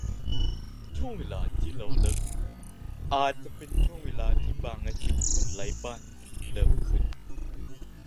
ช่วงเวลาที่เราเลิกงาน อาจจะเป็นช่วงเวลาที่บางอาชีพของคนไร้บ้านเริ่มขึ้น